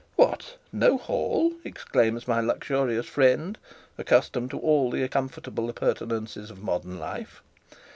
What no hall? exclaims my luxurious friend, accustomed to all the comfortable appurtenances of modern life.